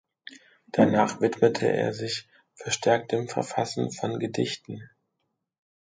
Danach widmete er sich verstärkt dem Verfassen von Gedichten.